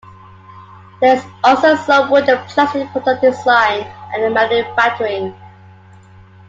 There is also some wood and plastics product design and manufacturing.